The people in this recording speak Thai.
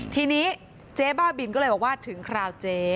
ทีนี้เจ๊บ้าบินก็เลยบอกว่าถึงคราวเจ๊